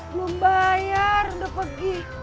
belom bayar udah pergi